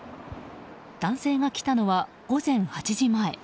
男性が来たのは午前８時前。